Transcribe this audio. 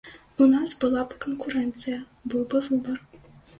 У нас была б канкурэнцыя, быў бы выбар.